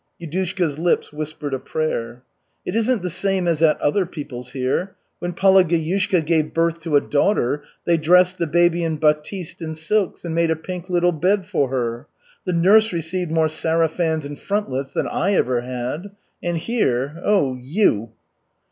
Yudushka's lips whispered a prayer. "It isn't the same as at other people's here. When Palageyushka gave birth to a daughter, they dressed the baby in batiste and silks and made a pink little bed for her. The nurse received more sarafans and frontlets than I ever had. And here oh, you!"